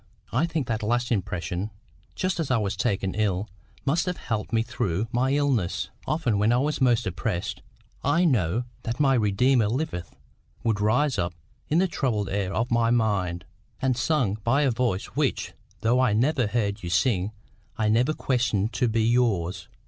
I think that last impression, just as I was taken ill, must have helped me through my illness. Often when I was most oppressed, 'I know that my Redeemer liveth' would rise up in the troubled air of my mind, and sung by a voice which, though I never heard you sing, I never questioned to be yours."